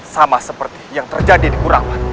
sama seperti yang terjadi di kuraman